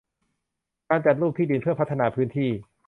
การจัดรูปที่ดินเพื่อพัฒนาพื้นที่